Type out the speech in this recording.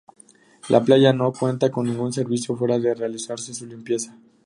La playa no cuenta con ningún servicio, fuera de realizarse su limpieza.